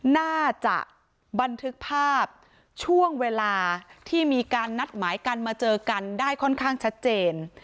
น่าจะบันทึกภาพช่วงเวลาที่มีการนัดหมายกันมาเจอกันได้ค่อนข้างชัดเจน